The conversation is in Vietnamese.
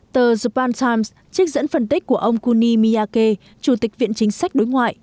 tờ japan times trích dẫn phân tích của ông kuni miyake chủ tịch viện chính sách đối ngoại